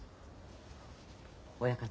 親方。